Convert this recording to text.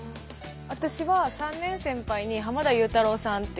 私は３年先輩に濱田祐太郎さんっていう。